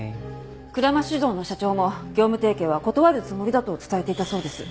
鞍馬酒造の社長も業務提携は断るつもりだと伝えていたそうです。